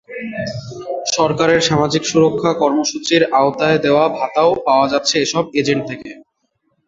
সরকারের সামাজিক সুরক্ষা কর্মসূচির আওতায় দেওয়া ভাতাও পাওয়া যাচ্ছে এসব এজেন্ট থেকে।